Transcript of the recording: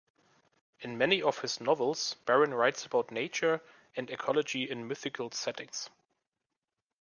In many of his novels, Barron writes about nature and ecology in mythical settings.